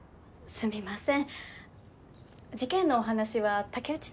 すみません。